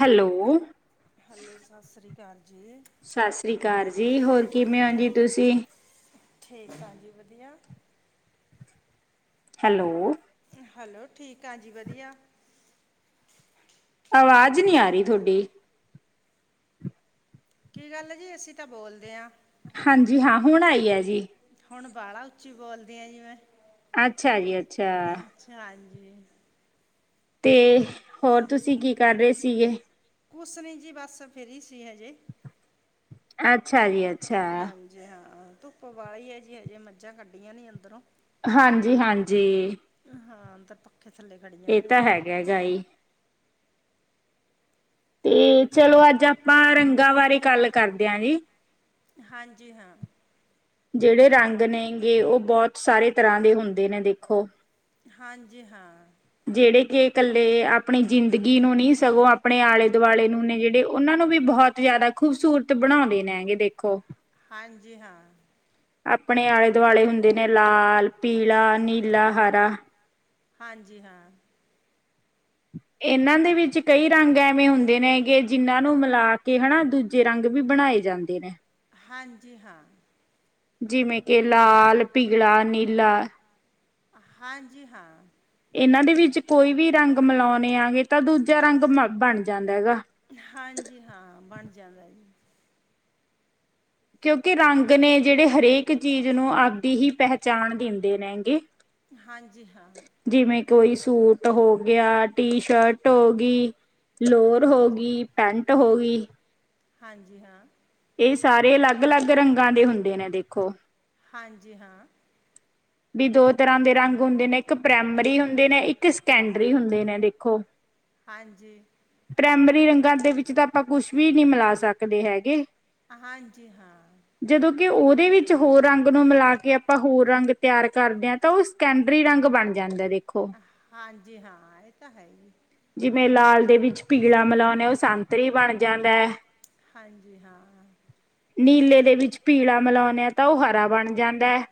Hello ਸਸ ਸ੍ਰੀ ਕਾਰ ਜੀ ਹੋਰ ਕਿਵੇ ਹੋ ਜੀ ਤੁਸੀਂ? ਠੀਕ ਆ ਜੀ ਵਧੀਆ। ਹੈਲੋ? ਹੈਲੋ ਠੀਕ ਆ ਜੀ ਵਧੀਆ। ਆਵਾਜ ਨਈ ਆ ਰਈ ਥੋਡੀ। ਕੀ ਗੱਲ ਹੈ ਜੀ ਅਸੀਂ ਤਾਂ ਬੋਲਦੇ ਹਾਂ ਹਾਂਜੀ ਹਾਂ ਹੁਣ ਆਈ ਹੈ ਜੀ ਹੁਣ ਬਾਲਾ ਉੱਚੀ ਬੋਲਦੀ ਹਾਂ ਜੀਵੇੈਂ ਅੱਛਾ ਜੀ ਅੱਛਾ ਤੇ ਹੋਰ ਤੁਸੀ ਕੀ ਕਰ ਰਹੇ ਸੀਗੇ? ਕੁਸ ਨੀ ਜੀ ਬਸ ਫਰੀ ਸੀ ਹਜੇ। ਅੱਛਾ ਜੀ ਅੱਛਾ। ਧੁੱਪ ਵਾੜੀ ਐ ਜੀ ਹਜੇ ਮੱਝਾਂ ਕੱਢੀਆ ਨੀ ਅੰਦਰੋ। ਹਾਂਜੀ, ਹਾਂਜੀ। ਹਾਂ ਤਾਂ ਤੁ ਏ ਤਾਂ ਹੈਗਾ ਗਾਈ। ਤੇ ਚਲੋ ਅੱਜ ਆਪਾਂ ਰੰਗਾ ਵਾਰੇ ਗੱਲ ਕਰਦੇ ਆ ਜੀ। ਹਾਂਜੀ ਹਾਂ। ਜੇੜੇ ਰੰਗ ਨੇਂਗੇੇ ਓ ਬੋਤ ਸਾਰੇ ਤਰਾਂ ਦੇ ਹੁੰਦੇ ਨੇ ਦੇਖੋ। ਹਾਂਜੀ ਹਾਂ। ਜੇੜੇ ਕਿ ਕੱਲੇ ਆਪਣੀ ਜ਼ਿੰਦਗੀ ਨੂੰ ਨਹੀਂ ਸਗੋ ਆਪਣੇ ਆਲੇ-ਦੁਆਲੇ ਨੂੰ ਨੇ ਜਿੜੇ ਓਨਾਂ ਨੂੰ ਵੀ ਬੋਤ ਜਾਦਾ ਖੂਬਸੂਰਤ ਬਨਾਉਂਦੇ ਨੇ ਗੇ ਦੇਖੋ। ਹਾਂਜੀ ਹਾਂ। ਅਪਣੇ ਆਲੇ-ਦੁਆਲੇ ਹੁੰਦੇ ਨੇ ਲਾਲ, ਪੀਲਾ, ਨੀਲਾ, ਹਰਾ। ਹਾਂਜੀ ਹਾਂ। [inaudible] ਏਨਾਂ ਦੇ ਵਿੱਚ ਕਈ ਰੰਗ ਐਵੇਂ ਹੁੰਦੇ ਨੇ ਹੈਗੇ ਜਿੰਨਾਂ ਨੂੰ ਮਿਲਾ ਕੇ ਹਨਾ ਦੂਜੇ ਰੰਗ ਵੀ ਬਣਾਏ ਜਾਂਦੇ ਨੇ। ਹਾਂਜੀ ਹਾਂ। ਜਿਵੇਂ ਕਿ ਲਾਲ, ਪੀਲਾ, ਨੀਲਾ ਹਾਂਜੀ ਹਾਂ। ਏਨਾਂ ਦੇ ਵਿੱਚ ਕੋਈ ਵੀ ਰੰਗ ਮਿਲਾਉਨੇ ਆ ਗੇ ਤਾਂ ਦੂਜਾ ਰੰਗ ਮਬ ਬਨ ਜਾਂਦਾ ਹੈਗਾ। ਕੇਓਂ ਕੇ ਰੰਗ ਨੇ ਜੇੜੇ ਹਰ ਏਕ ਚੀਜ਼ ਨੂੰ ਆਪਦੀ ਹੀ ਪੈਚਾਣ ਦਿੰਦੇ ਰੈਂਗੇ। ਹਾਂਜੀ ਹਾਂ। ਕੋਈ ਸੂਟ ਹੋ ਗੇਆ, ਟੀ ਸ਼ਰਟ ਹੋ ਗੀ ਲੋਵਰ ਹੋ ਗਈ, ਪੈਂਟ ਹੋ ਗੀ ਹਾਂਜੀ ਹਾਂ। ਏ ਸਾਰੇ ਅਲੱਗ ਅਲੱਗ ਰੰਗਾਂ ਦੇ ਹੁੰਦੇ ਨੇ ਦੇਖੋ। ਹਾਂਜੀ ਹਾਂ। ਵੀ ਦੋ ਤਰ੍ਹਾਂ ਦੇ ਰੰਗ ਹੁੰਦੇ ਨੇ ਇੱਕ ਪ੍ਰਾਇਮਰੀ ਹੁੰਦੇ ਨੇ ਇੱਕ ਸੈਕੰਡਰੀ ਹੁੰਦੇ ਨੇ ਦੇਖੋ। ਹਾਂਜੀ ਰੰਗਾਂ ਦੇ ਵਿੱਚ ਤਾਂ ਆਪਾਂ ਕੁਛ ਵੀ ਨਹੀਂ ਮਿਲਾ ਸਕਦੇ ਹੈਗੇ। ਹਾਂਜੀ ਹਾਂ। ਕਿ ਉਹਦੇ ਵਿੱਚ ਹੋਰ ਰੰਗ ਨੂੰ ਮਿਲਾ ਕੇ ਆਪਾਂ ਹੋਰ ਰੰਗ ਤਿਆਰ ਕਰਦੇ ਹਾਂ ਤਾਂ ਉਹ ਸਕਡਰੀ ਰੰਗ ਬਣ ਜਾਂਦਾ ਦੇਖ। ਹਾਂਜੀ ਹਾਂ ਇਹ ਤਾਂ ਹੈ ਹੀ। ਦੇ ਵਿੱਚ ਪੀਲਾ ਮਿਲਾਉਂਦੇ ਉਹ ਸੰਤਰੀ ਬਣ ਜਾਂਦਾ ਹੈ। ਹਾਂਜੀ ਹਾਂ। ਨੀਲੇ ਦੇ ਵਿੱਚ ਪੀਲਾ ਮਿਲਾਉਂਦੇ ਆ ਤਾਂ ਉਹ ਹਰਾ ਬਣ ਜਾਂਦਾ ਹੈ।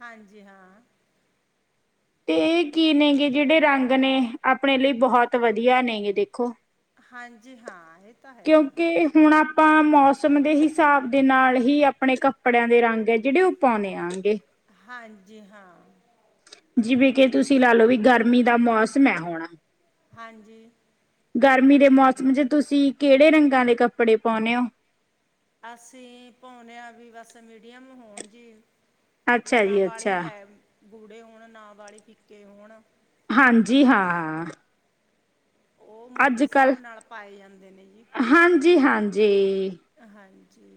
ਹਾਂਜੀ ਹਾਂ। ਤੇ ਇਹ ਕੀ ਨੇ ਗੇ ਜਿਹੜੇ ਰੰਗ ਨੇ ਆਪਣੇ ਲਈ ਬਹੁਤ ਵਧੀਆ ਨੇਗੇ ਦੇਖੋ। ਕਿਉਂਕਿ ਹੁਣ ਆਪਾਂ ਮੌਸ ਮੌਸਮ ਦੇ ਹਿਸਾਬ ਦੇ ਨਾਲ ਹੀ ਆਪਣੇ ਕੱਪੜਿਆਂ ਦੇ ਰੰਗ ਹੈ ਜਿਹੜੇ ਉਹ ਪਾਉਂਦੇ ਆਗੇ। ਹਾਂਜੀ ਹਾਂ। ਜਿਵੇਂ ਕਿ ਤੁਸੀ ਲਾ ਲਓ ਵੀ ਗਰਮੀ ਦਾ ਮੌਸਮ ਹੈ ਹੋਨ। ਹਾਂਜੀ ਗਰਮੀ ਦੇ ਮੌਸਮ ਚ ਤੁਸੀਂ ਕੇੜੇ ਰੰਗਾਂ ਦੇ ਕੱਪੜੇ ਪਾਓਨੇ ਓ? ਅਸੀਂ ਪਾਉਨੇ ਆ ਵੀ ਬਸ ਮੀਡੀਅਮ ਹੋਨ ਜੀ। ਅੱਛਾ ਜੀ ਅੱਛਾ। ਗੂੜੇ ਹੋਨ ਨਾ ਵਾੜੇ ਫਿੱਕੇ ਹੋਨ। ਹਾਂਜੀ ਹਾਂ ਹਾਂ। ਉਹ ਉਮਰ ਦੇ ਹਿਸਾਬ ਨਾਲ ਪਾਏ ਜਾਂਦੇ ਨੇ ਜੀ। ਜੇ ਹਾਂਜੀ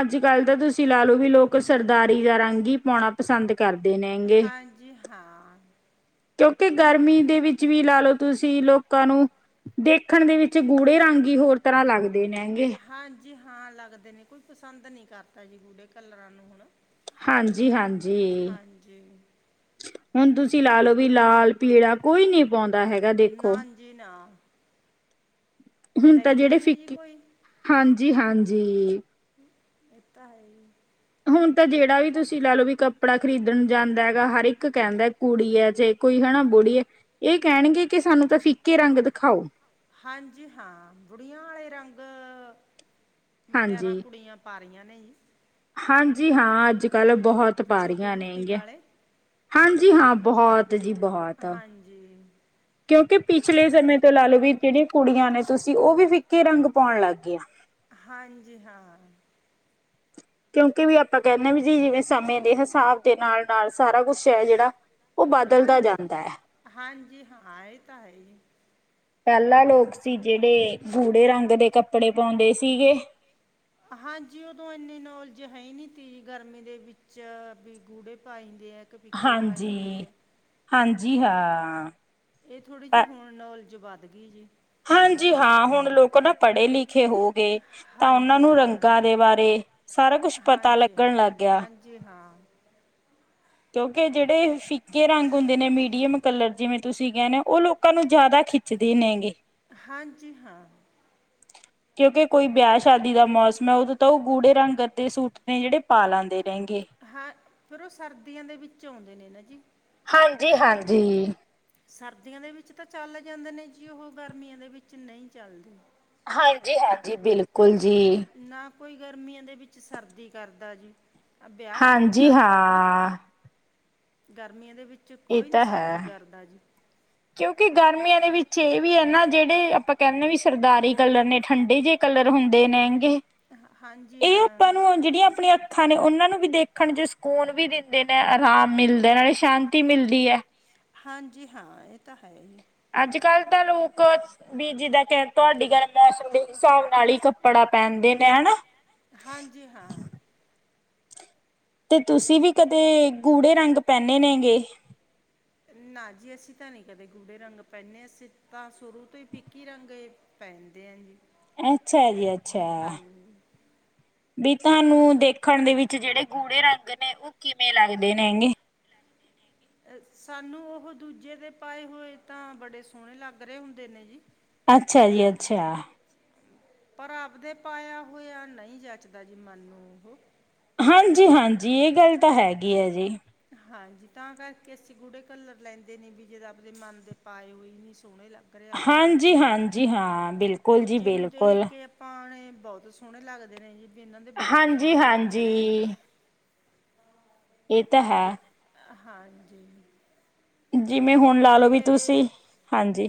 ਅੱਜ ਕੱਲ੍ਹ ਤਾਂ ਤੁਸੀਂ ਲਾ ਲਓ ਵੀ ਲੋਕ ਸਰਦਾਰੀ ਦਾ ਰੰਗ ਹੀ ਪਾਉਣਾ ਪਸੰਦ। ਹਾਂਜੀ ਹਾਂ। ਕਿਉਂਕਿ ਗਰਮੀ ਦੇ ਵਿੱਚ ਵੀ ਲਾ ਲਓ ਤੁਸੀਂ ਲੋਕਾਂ ਨੂੰ ਦੇਖਣ ਦੇ ਵਿੱਚ ਗੂੜੇ ਰੰਗ ਹੀ ਹੋਰ ਤਰ੍ਹਾਂ ਲੱਗਦੇ। ਹਾਂਜੀ ਹਾਂ ਲੱਗਦੇ ਨੇ ਕੋਈ ਪਸੰਦ ਨਹੀਂ ਕਰਦਾ ਜੀ ਗੂੜੇ ਕਲਰਾਂ ਨੂੰ ਹੁਣ। ਹਾਂਜੀ ਹਾਂਜੀ। ਹੁਣ ਤੁਸੀਂ ਲਾ ਲਓ ਵੀ ਲਾਲ ਪੀੜਾ ਕੋਈ ਨੀ। ਪਾਉਂਦਾ ਹੈਗਾ ਦੇਖੋ। ਹੁਣ ਤਾਂ ਜਿਹੜੇ ਫਿਕੇ ਹਾਂਜੀ ਹਾਂਜੀ। ਇਹ ਤਾਂ ਹੈ ਹੀ। ਹੁਣ ਤਾਂ ਜਿਹੜਾ ਵੀ ਤੁਸੀਂ ਲੈ ਲਓ ਵੀ ਕੱਪੜਾ ਖਰੀਦਣ ਜਾਂਦਾ ਹੈਗਾ ਹਰ ਇੱਕ ਕਹਿੰਦਾ ਕੁੜੀ ਹੈ ਜੇ ਕੋਈ ਹੈ ਨਾ। ਬੋੜੀ ਹੈ ਇਹ ਕਹਿਣਗੇ ਕਿ ਸਾਨੂੰ ਤਾਂ ਫਿਕੇ ਰੰਗ ਦਿਖਾਓ। ਹਾਂਜੀ ਹਾਂ ਬੁੜੀਆਂ ਵਾਲੇ ਰੰਗ। ਮੁਟਿਆਰਾਂ ਕੁੜੀਆਂ ਪਾ ਰਹੀਆ ਨੇ। ਹਾਂ ਅੱਜ ਕੱਲ੍ਹ ਬਹੁਤ ਪਾ ਰਹੀਆਂ ਹੈਗੀਆਂ ਹਾਂਜੀ ਹਾਂ। ਬਹੁਤ ਜੀ ਬਹੁਤ ਕਿਉਂਕਿ ਪਿਛਲੇ ਸਮੇਂ ਤੋਂ ਲਾਲੋ ਵੀ ਜਿਹੜੀਆਂ ਕੁੜੀਆਂ ਨੇ ਤੁਸੀਂ ਉਹ ਵੀ ਫਿੱਕੇ ਰੰਗ ਪਾਉਣ ਲੱਗ ਗਈਆਂ। ਕਿਉਂਕਿ ਵੀ ਆਪਾਂ ਕਹਿੰਦੇ ਵੀ ਜੇ ਜਿਵੇਂ ਸਮੇਂ ਦੇ ਹਿਸਾਬ ਦੇ ਨਾਲ। ਨਾਲ ਸਾਰਾ ਕੁਛ ਹੈ ਜਿਹੜਾ ਉਹ ਬਦਲਦਾ ਜਾਂਦਾ ਹੈ। ਕੀ ਹਾਂ ਇਹ ਤਾਂ ਹੈ ਈ। ਪਹਿਲਾਾਂ ਲੋਕ ਸੀ ਜਿਹੜੇ ਗੂੜੇ ਰੰਗ ਦੇ ਕੱਪੜੇ ਪਾਉਂਦੇ ਸੀਗੇ। ਹਾਂਜੀ ਉਦੋਂ ਇੰਨੀ ਨੌਲੇਜ ਹੈ ਨੀ ਤੀ ਗਰਮੀ ਦੇ ਵਿੱਚ ਵੀ ਗੂੜੇ ਪਾਈ। ਫਿੱਕੇ ਪਾਈਂਦੇ ਆ। ਹਾਂਜੀ ਹਾਂ। ਇਹ ਥੋੜ੍ਹੀ ਜਿਹੀ ਹੁਣ ਨੌਲਜ ਵੱਧ ਗਈ ਜੀ। ਹਾਂਜੀ ਹਾਂ, ਹੁਨ ਲੋਕ ਨਾ ਪੜੇ ਲਿ ਖੇ ਹੋ ਗਏ ਤਾਂ ਓਨਾਂ ਨੂੰ ਰੰਗਾਂ ਦੇ ਬਾਰੇ ਸਾਰਾ ਕੁਛ ਪਤਾ ਲੱਗਣ ਲੱਗ ਗੇਆ। ਜੀ ਹਾਂ। ਕੇਓਂ ਕੇ ਜੇੜੇ ਫਿੱਕੇ ਰੰਗ ਹੁੰਦੇ ਨੇ ਮੀਡੀਅਮ ਕਲਰ ਜਿਵੇਂ ਤੁਸੀ ਕੈਨੇ ਓ, ਓ ਲੋਕਾਂ ਨੂੰ ਜਾਦਾ ਖਿੱਚਦੇ ਨੇਂਗੇ। ਹਾਂਜੀ ਹਾਂ। ਕਿਉਂਕਿ ਕੋਈ ਵਿਆਹ ਸ਼ਾਦੀ ਦਾ ਮੌਸਮ ਐ, ਓਦੋ ਤੇ ਉਹ ਗੂੜੇ ਰੰਗ ਦੇ ਸੂਟ ਨੇ ਜੇੜੇ ਪਾ ਲਾਂਦੇ। ਹੈਂਗੇ। ਫੇਰ ਓ ਸਰਦੀਆਂ ਦੇ ਵਿੱਚ ਆਓਂਦੇ ਨੇ ਨਾ ਜੀ। ਹਾਂਜੀ-ਹਾਂਜੀ। ਸਰਦੀਆਂ ਦੇ ਵਿੱਚ ਤਾ ਚਲ ਜਾਂਦੇ ਨੇ ਜੀ, ਓਹੋ ਗਰਮੀਆਂ ਦੇ ਵਿੱਚ ਨਈ ਚੱਲਦੇ। ਹਾਂਜੀ-ਹਾਂਜੀ, ਬਿਲਕੁਲ ਜੀ। ਕੋਈ ਗਰਮੀਆਂ ਦੇ ਵਿੱਚ ਸਰਦੀ ਕਰਦਾ ਜੀ। ਹਾਂਜੀ, ਹਾਂ। ਗਰਮੀਆਂ ਦੇ ਵਿੱਚ ਕੋਈ ਨੀ ਸਰਦੀ ਕਰਦਾ ਜੀ। ਕਿਉਕਿ ਗਰਮੀਆਂ ਦੇ ਵਿੱਚ ਏਹਤ ਵੀ ਐ ਨਾ, ਜਿਹੜੇ ਆਪਾਂ ਕੈਨੇਂ ਵੀ ਸਰਦਾਰੀ ਕਲਰ ਨੇ ਠੰਡੇ ਜਿਹੇ ਕਲਰ ਕਲਰ ਹੁੰਦੇ ਨੈਂਗੇ, ਏ ਆਪਾਂ ਨੂੰ ਜੇੜੀਆਂ ਆਪਣੀਆਂ ਅੱਖਾਂ ਨੇ ਓਨਾਂ ਓਨਾਂ ਨੂੰ ਵੀ ਦੇਖਨ ਚ ਸਕੂਨ ਵੀ ਦਿੰਦੇ ਨੇ, ਆਰਾਮ ਮਿਲਦੈ ਨਾਲੇ ਸ਼ਾਂਤੀ ਮਿਲਦੀ ਐ। ਹਾਂਜੀ, ਹਾਂ, ਏ ਤਾ ਹੈ। [inaudible] ਅੱਜ ਕੱਲ ਤਾ ਲੋਕ ਬੀ ਜਿੱਦਾਂ ਕੈ ਤੁਆਡੀ ਗਰਮ ਮੌਸਮ ਦੇ ਹਿਸਾਬ ਨਾਲ ਈ ਕੱਪੜਾ ਪੈਣ ਅੰਡੇ ਪੈਣ। ਹਾਂਜੀ, ਹਾਂ। ਤੇ ਤੁਸੀ ਵੀ ਕਦੇ ਗੂੜੇ ਰੰਗ ਪੈਨੇ ਨੇਂ ਗੇ? ਨਾ ਜੀ, ਅਸੀ ਤਾ ਨੀ ਕਦੇ ਗੂੜੇ ਰੰਗ ਪੈਨੇ, ਅਸੀ ਤਾ ਸ਼ੁਰੂ ਤੋ ਈ ਫਿਕੇ ਰੰਗ ਪਹਿਨਦੇ ਐ ਜੀ? ਐਛਾ ਜੀ, ਅੱਛਾ ਵੀ ਤਾਨੂੰ ਦੇਖਨ ਦੇ ਵਿੱਚ ਜੇੜੇ ਗੂੜੇ ਰੰਗ ਨੇ, ਓ ਕਿਵੇਂ ਲੱਗਦੇ ਨੇ ਗੇਂ। ਸਾਨੂੰ ਓਹ ਦੂਜੇ ਦੇ ਪਾਏ ਹੋਏ ਤਾਂ ਬੜੇ ਸੋਨੇ ਲੱਗ ਹੇ ਹੁੰਦੇ ਨੇ ਜੀ। ਅੱਛਾ ਜੀ, ਅੱਛਾ। ਪਰ ਆਪਦੇ ਪਾਇਆ ਹੋਇਆ ਨਈ ਜਚਦਾ ਜੀ ਮਨ ਨੂੰ, ਓਹ ਹਾਂਜੀ, ਹਾਂਜੀ ਇਹ ਗੱਲ ਤਾਂ ਹੈਗੀ ਐ ਜੀ। ਹਾਂਜੀ, ਤਾਂ ਕਰਕੇ ਅਸੀ ਗੂੜੇ ਕਲਰ ਲੈਂਦੇ ਨੀ ਵੀ, ਜੇ ਆਪਦੇ ਮਨ ਦੇ ਪਾਏ ਹੋਏ ਨੀ ਹਾਂਜੀ-ਹਾਂਜੀ, ਹਾਂ, ਬਿਲਕੁਲ ਜੀ, ਬਿਲਕੁਲ। ਬਹੁਤ ਸੋਹਣੇ ਲੱਗਦੇ ਨੇ ਜੀ ਵੀ ਇਹਨਾ ਦੇ ਬਹੁਤ ਸੋਹਣਾ ਜਚ ਰੇਆ। ਇਹ ਤੇ ਹੈ। ਹਾਂਜੀ। ਜਿਵੇਂ ਹੁਨ ਲਾਲੋ ਵੀ ਤੁਸੀਂ, ਹਾਂਜੀ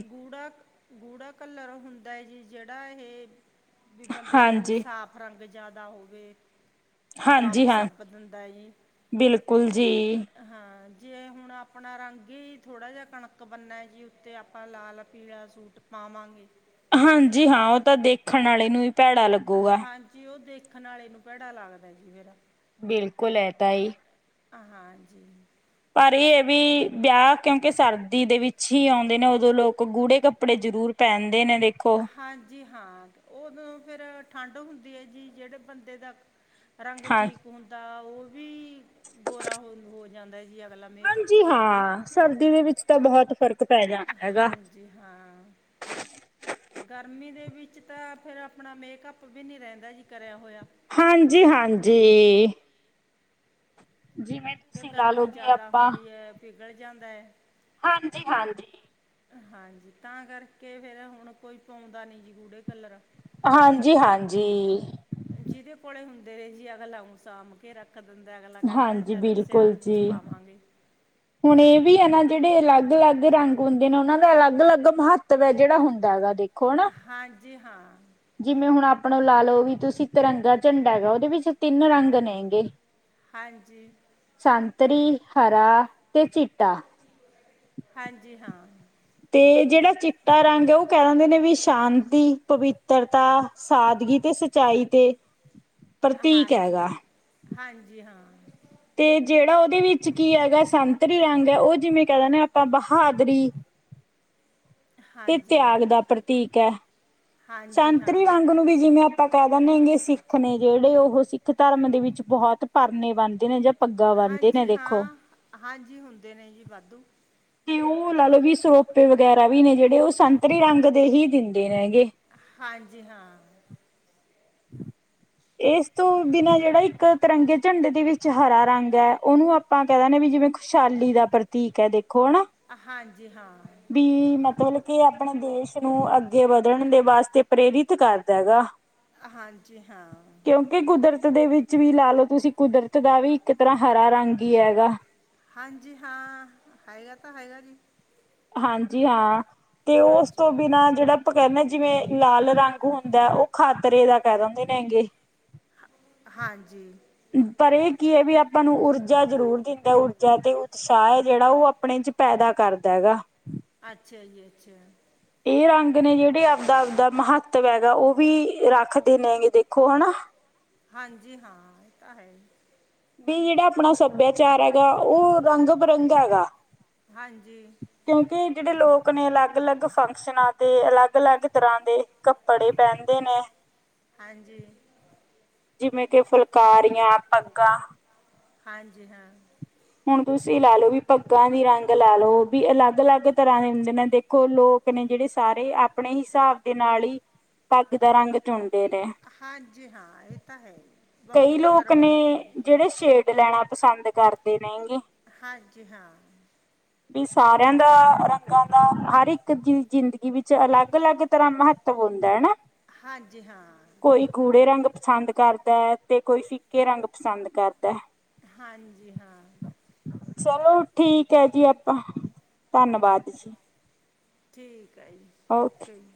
[unintelligible] ਜਿਹੜਾ ਇਹ ਵਈ ਬੰਦੇ ਦਾ ਜੀ ਸਾਫ ਰੰਗ ਜਿਆਦਾ ਹੋਵੇ ਹਾਂਜੀ ਹਾਂ, ਬਿਲਕੁਲ ਜੀ। ਜੇ ਹੁਣ ਆਪਣਾ ਰੰਗ ਹੀ ਥੋੜਾ ਜਾ ਕਣਕ ਬੰਨਾ ਜੀ ਉਤੇ, ਆਪਾ ਲਾਲ ਪੀਲਾ ਸੂਟ ਪਾਵਾਂਗੇ। ਹਾਂਜੀ। ਹਾਂ, ਉਹ ਤਾਂ ਦੇਖਣ ਵਾਲੇ ਨੂੰ ਹੀ ਭੈੜਾ ਲੱਗੇੂਗਾ। ਖਣਾਲੇ ਨੂੰ ਭੈੜਾ ਲੱਗਦਾ ਜੀ ਮੇਰਾ। ਬਿਲਕੁਲ ਐ ਤਾਂ ਹੀ ਹਾਂ- ਹਾਂ -ਜੀ, ਪਰ ਇਹ ਹੈ। ਵੀ ਵਿਆਹ ਕਿਉਂਕਿ ਸਰਦੀ ਦੇ ਵਿੱਚ ਹੀ ਆਉਂਦੇ ਨੇ ਉਦੋਂ ਲੋਕ ਗੂੜੇ ਕੱਪੜੇ- ਜ਼ਰੂਰ ਭੈਣ ਹਾਂਜੀ। ਹਾਂ, ਉਦੋਂ ਫੇਰ ਠੰਡ ਹੁੰਦੀ ਹੈ ਜੀ ਜਿਹੜੇ ਬੰਦੇ ਦਾ ਰੰਗ ਠੀਕ ਹੁੰਦਾ ਉਹ ਵੀ, ਗੋਰਾ ਹੋ ਹੋ ਜਾਂਦਾ ਜੀ। ਹਾਂਜੀ। ਹਾਂ, ਸਰਦੀ ਦੇ ਵਿੱਚ ਤਾਂ ਬਹੁਤ ਹਾਂਜੀ। ਹਾਂ, ਗਰਮੀ ਦੇ ਵਿੱਚ ਤਾਂ ਫੇਰ ਆਪਣਾ ਮੇਕਅਪ ਵੀ ਨੀ ਰਹਿੰਦਾ ਜੀ ਕਰਿਆ ਹੋਇਆ। ਹਾਂਜੀ -ਹਾਂਜੀ ਜਿਵੇਂ ਤੁਸੀਂ ਲਾਲੋਗੇ ਆਪਾਂ ਵਿਲ ਜਾਂਦਾ ਐ। ਹਾਂਜੀ, ਹਾਂਜੀ। ਹਾਂਜੀ, ਤਾਂ ਕਰਕੇ ਫੇਰ ਹੁਣ ਕੋਈ ਪਾਉਂਦਾ ਨੀ ਜੀ ਗੂੜੇ ਕਲਰ। ਹਾਂਜੀ, ਹਾਂਜੀ। ਰੇ ਜੀ ਅਗਲਾ ਓਨੂੰ ਸਾਮ ਕੇ ਰੱਖ ਰੱਖ ਦਿੰਦਾ ਅਗਲਾ ਕੈਂਦਾ ਚੱਲ ਸਿਆਲ ਵਿੱਚ ਪਾਵਾਂਗੇ। ਤੇੜੇ ਅਲੱਗ ਅਲੱਗ ਰੰਗ ਹੁੰਦੇ ਨੇ ਓਨਾਂ ਦਾ ਅਲੱਗ ਅਲੱਗ ਮਹੱਤਵ ਹੈ ਜੇੜਾ ਹੁੰਦਾ ਹੈਗਾ ਦੇ ਕੌਣ? ਜੀ ਹਾਂ। ਜਿਵੇਂ ਹੁਣ ਆਪਣਾ ਲਾ ਲਓ ਵੀ ਤੁਸੀਂ ਤਿਰੰਗਾ ਝੰਡਾ ਹੈਗਾ ਉਹਦੇ ਵਿੱਚ ਤਿੰਨ ਰੰਗ ਨੇ ਗੇ। ਹਾਂਜੀ। ਤਰੀ ਹਰਾ ਤੇ ਚਿਟਾ। ਹਾਂਜੀ ਹਾਂ। ਤੇ ਜਿਹੜਾ ਚਿੱਟਾ ਰੰਗ ਹੈ ਉਹ ਕਹਿ ਦਿੰਦੇ ਨੇ ਵੀ ਸ਼ਾਂਤੀ ਪਵਿੱਤਰਤਾ ਸਾਦਗੀ ਤੇ ਸੱਚਾਈ ਤੇ ਪ੍ਰਤੀਕ ਹੈਗਾ। ਹਾਂਜੀ ਹਾਂ। ਤੇ ਜੇੜਾ ਓਦੇ ਵਿੱਚ ਕੀ ਹੈਗਾ ਸੰਤਰੀ ਰੰਗ ਐ ਓ ਜਿਵੇ ਕੈ ਦੇਨੇ ਆ ਆਪਾਂ ਬਹਾਦਰੀ ਤੇ ਤਿਆਗ ਦਾ ਪ੍ਰਤੀਕ ਐ। ਸੰਤਰੀ ਰੰਗ ਨੂੰ ਵੀ ਜਿਵੇਂ ਅ ਪਾਂ ਕੈਂ ਦਿਨੇ ਹੈਂਗੇ ਸਿੱਖ ਨੇ ਜਿੜੇ ਉਹ ਸਿੱਖ ਧਰਮ ਦੇ ਵਿੱਚ ਬੋਹਤ ਪਰਨੇ ਬਨਦੇ ਨੇ ਜ ਹਾਂਜੀ ਹਾਂ, ਹਾਂਜੀ ਹੁੰਦੇ ਨੇ ਜੀ ਵਾਧੂ। ਤੇ ਉ ਲਾ ਲਓ ਵੀ ਸਰੋਪੇ ਵਗੈਰਾ ਵੀ ਨੇ ਜੇੜੇ ਓ ਸੰਤਰੀ ਰੰਗ ਦੇ ਹੀ ਦਿੰਦੇ ਨੈਂਗੇ। ਹਾਂਜੀ ਹਾਂ। ਏਸ ਤੋਂ ਬਿਨਾਂ ਜੇੜਾ ਇੱਕ ਤਿਰੰਗੇ ਝੰਡੇ ਦੇ ਵਿੱਚ ਹਰਾ ਰੰਗ ਐ ਓਨੂੰ ਆਪਾਂ ਕੈ ਦਾ ਨੇ ਵੀ ਜਿਵੇਂ ਖੁਸ਼ਆਲੀ ਦਾ ਪ੍ਰਤੀਕ ਐ ਦੇਖੋ ਹਨਾ, ਬੀ ਮਤਲ ਕੇ ਆਪਣੇ ਦੇਸ਼ ਨੂੰ ਅੱਗੇ ਵਦਣ ਦੇ ਵਾਸਤੇ ਪ੍ਰੇਰਿਤ ਕਰਦਾ ਐਗਾ। ਅ ਹਾਂਜੀ ਹਾਂ। ਤਦੇ ਵਿੱਚ ਵੀ ਲਾਲੋ ਤੁਸੀਂ ਕੁਦਰਤ ਦਾ ਵੀ ਇੱਕ ਤਰਾਂ ਹਰਾ ਰੰਗ ਈ ਐਗਾ। ਹਾਂਜੀ ਹਾਂ, ਹੈਗਾ ਤਾਂ ਹੈਗਾ ਜੀ। ਹਾਂਜੀ ਹਾਂ, ਤੇ ਓਸ ਤੋਂ ਬਿਨਾਂ ਜੇੜਾ ਤੇ ਕੈਣੇ ਜਿਵੇਂ, ਲਾਲ ਰੰਗ ਹੁੰਦਾ ਓ ਖਾਤਰੇ ਦਾ ਕੈ ਦਿੰਦੇ ਨੇਗੇ। ਹ, ਹਾਂਜੀ। ਪਰ ਏ ਕਿ ਐ ਵੀ ਆਪਾਂ ਨੂੰ ਊਰਜਾ ਜਰੂਰ ਦਿੰਦਾ ਊਰਜਾ ਤੇ ਉਤਸਾਅ ਏ ਜੇੜਾ ਓ ਆਪਣੇ ਚ ਪੈਦਾ ਕਰਦਾ ਐਗਾ। ਅੱਛਾ ਜੀ-ਅੱਛਾ ਜੀ। ਏ ਰੰਗ ਨੇ ਜੇੜੇ ਆਪਦਾ-ਆਪਦਾ ਮਹਾਤਵ ਹੈਗਾ ਓ ਵੀ, ਰੱਖਦੇ ਨੇਗੇ ਦੇਖੋ ਹਨਾ? ਹਾਂਜੀ ਹਾਂ ਓ ਤਾਂ ਹੈ ਈ। ਬੀ ਜੇੜਾ ਆਪਣਾ ਸੱਬੇਆਚਾਰ ਐਗਾ ਓ ਰੰਗ ਬਰੰਗਾ ਐਗਾ ਹਾਂਜੀ। ਜੇੜੇ ਲੋਕ ਨੇ ਅਲੱਗ-ਅਲੱਗ ਫੰਕਸ਼ਨਾਂ ਤੇ ਅਲੱਗ-ਅਲੱਗ ਤਰਾਂ ਦੇ ਕੱਪੜੇ ਪੈਨਦੇ ਨੇ। ਜਿਵੇਂ ਕੇ ਫੁਲਕਾਰੀਆਂ, ਪੱਗਾਂ। ਹਾਂਜੀ ਹਾਂ। ਹੁਣ ਤੁਸੀਂ ਲਾ ਲਓ ਵੀ ਪੱਗਾਂ ਦੀ ਰੰਗ ਲਾ ਲਓ ਵੀ ਅਲੱਗ ਅਲੱਗ ਤਰ੍ਹਾਂ ਦੇ ਹੁੰਦੇ ਨੇ ਦੇਖੋ ਲੋਕ ਲੋਕ ਨੇ ਜਿਹੜੇ ਸਾਰੇ ਆਪਣੇ ਹਿਸਾਬ ਦੇ ਨਾਲ ਹੀ ਪੱਗ ਦਾ ਰੰਗ ਚੁਣ ਹਾਂਜੀ ਹਾਂ ਇਹ ਤਾਂ ਹੈ ਹੀ ਕਈ ਲੋਕ ਨੇ ਜਿਹੜੇ ਸ਼ੇਡ ਲੈਣਾ ਪਸੰਦ ਕਰਦੇ ਨੇ ਗ ਹਾਂਜੀ ਹਾਂ। ਵੀ ਸਾਰਿਆਂ ਦਾ ਰੰਗਾਂ ਦਾ ਹਰ ਇੱਕ ਜ਼ਿੰਦਗੀ ਵਿੱਚ ਅਲੱਗ ਅਲੱਗ ਤਰ੍ਹਾਂ ਮਹੱਤਵ ਹੁੰਦਾ ਹੈ ਨਾ ਹਾਂਜੀ ਹਾਂ। ਪਸੰਦ ਕਰਦਾ ਹੈ ਤੇ ਕੋਈ ਫਿੱਕੇ ਰੰਗ ਪਸੰਦ ਕਰਦਾ। ਹਾਂਜੀ ਹਾਂ। ਚਲੋ ਠੀਕ ਹੈ ਜੀ ਆਪਾਂ ਧੰਨਵਾਦ ਜੀ। ਠੀਕ ਆ ਜੀ ਓਕੇ ਜੀ।